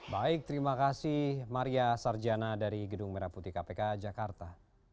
baik terima kasih maria sarjana dari gedung merah putih kpk jakarta